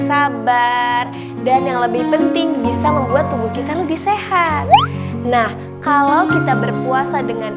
sabar dan yang lebih penting bisa membuat tubuh kita lebih sehat nah kalau kita berpuasa dengan